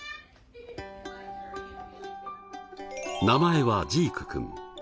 名前はジークくん。